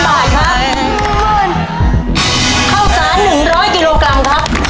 ข้าวสาร๑๐๐กิโลกรัมครับ